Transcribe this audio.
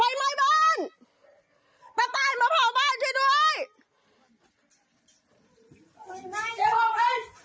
เอาน้ำมาเร็ว